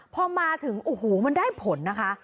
พอมาถึงโอ้โหมันได้ผลนะคะ